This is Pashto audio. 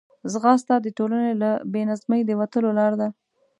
ځغاسته د ټولنې له بې نظمۍ د وتلو لار ده